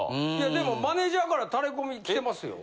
でもマネジャーからタレコミ来てますよ。